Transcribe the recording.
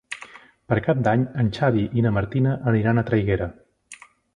Per Cap d'Any en Xavi i na Martina aniran a Traiguera.